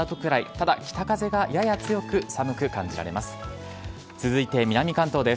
ただ、北風がやや強く、寒く感じられます。